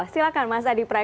silahkan mas adi pry